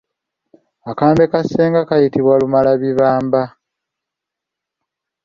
Akambe ka ssenga kayitibwa Lumalabibamba.